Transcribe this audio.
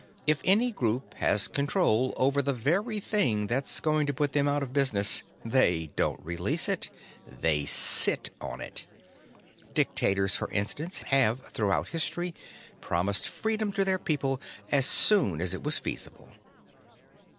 "If any group has control over the very thing that's going to put them out of business, they don't release it; they sit on it. Dictators, for instance, have throughout history, promised freedom to their people 'as soon as it was feasible'.